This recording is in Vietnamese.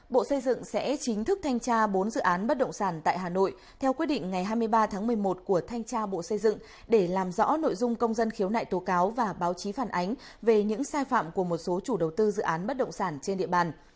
bộ xây dựng sẽ chính thức thanh tra bốn dự án bất động sản tại hà nội theo quyết định ngày hai mươi ba tháng một mươi một của thanh tra bộ xây dựng để làm rõ nội dung công dân khiếu nại tố cáo và báo chí phản ánh về những sai phạm của một số chủ đầu tư dự án bất động sản trên địa bàn